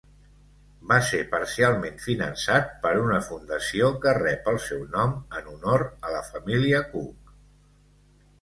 Va ser parcialment finançat per una fundació que rep el seu nom en honor a la família Cooke.